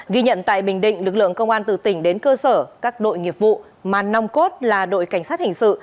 ghi nhận tại bình định lực lượng công an từ tỉnh đến cơ sở các đội nghiệp vụ mà nong cốt là đội cảnh sát hình sự